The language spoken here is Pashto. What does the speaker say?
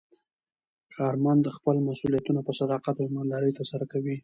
کارمند خپل مسوولیتونه په صداقت او ایماندارۍ ترسره کوي